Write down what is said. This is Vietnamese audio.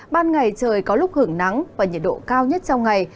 ban ngày trời có lúc hưởng nắng và nhiệt độ cao nhất trong ngày